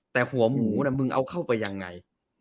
แต่หัวหมูมึงเอาเข้าไปยังไง